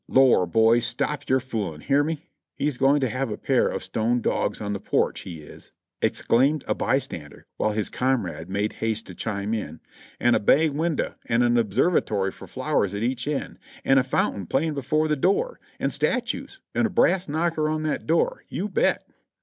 "Lor! boys, stop yer fooling; hear me? He's going to have a pair of stone dogs on the porch, he is," exclaimed a bystander while his comrade made haste to chime in : "And a bay window an' a observatory for flowers at each end, an' a fountain playin' before the door, and statues, and a brass knocker on that door, you bet."